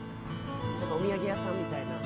お土産屋さんみたいな。